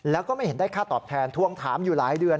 แล้วก็ไม่เห็นได้ค่าตอบแทนทวงถามอยู่หลายเดือน